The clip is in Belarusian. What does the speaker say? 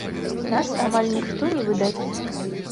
Нас амаль ніхто не выдае.